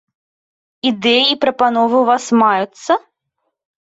Ідэі і прапановы ў вас маюцца?